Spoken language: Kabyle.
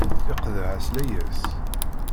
Iqḍeɛ-as layas.